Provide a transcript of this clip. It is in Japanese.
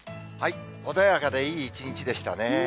穏やかでいい一日でしたね。